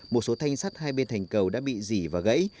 một số thanh sắt hai bên thành cầu đã bị dỉ và gãy